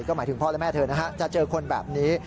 หมายถึงพ่อและแม่เธอนะฮะจะเจอคนแบบนี้